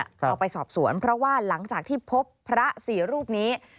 เอาไปสอบสวนเพราะว่าหลังจากที่พบพระสี่รูปนี้